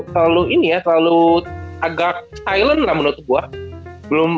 terlalu ini ya terlalu agak silent lah menurut gue